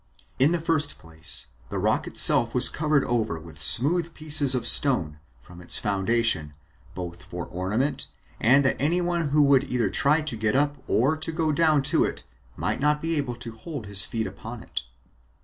In the first place, the rock itself was covered over with smooth pieces of stone, from its foundation, both for ornament, and that any one who would either try to get up or to go down it might not be able to hold his feet upon it.